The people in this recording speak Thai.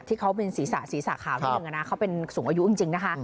ที่เขาเป็นศีรษะศีรษะขาวนิดนึงนะเขาเป็นสูงอายุจริงนะคะ